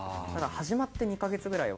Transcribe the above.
始まって２か月くらいは。